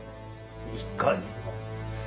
いかにも。